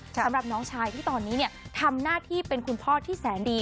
สำหรับน้องชายที่ตอนนี้เนี่ยทำหน้าที่เป็นคุณพ่อที่แสนดี